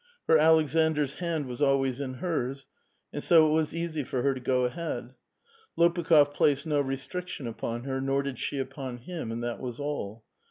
Her Alek sandr's hand was always in hers, and so it was easy for her to go ahead. Lopukh6f placed no restriction upon her, nor did she upon him ; and that was all.